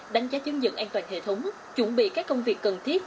đánh giá chứng nhận an toàn hệ thống chuẩn bị các công việc cần thiết